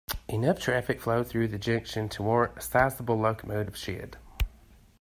Enough traffic flowed through the junction to warrant a size-able locomotive shed.